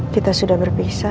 kita sudah berpisah